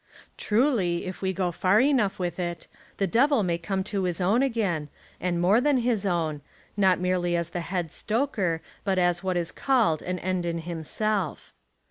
Truly, If we go far enough with It, the Devil may come to his own again, and more than his own, not merely as Head Stoker but as what Is called an End in Himself.